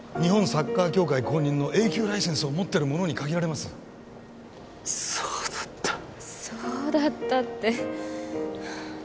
サッカー協会公認のＡ級ライセンスを持ってる者に限られますそうだったそうだったって